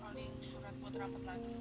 paling surat buat rapat lagi